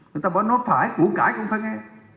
người ta bỏ nốt phải củ cãi cũng phải nghe